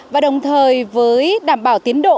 và đồng thời với đảm bảo tiến độ